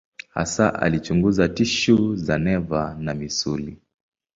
Hasa alichunguza tishu za neva na misuli.